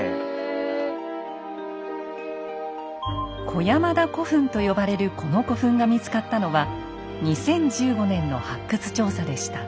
小山田古墳と呼ばれるこの古墳が見つかったのは２０１５年の発掘調査でした。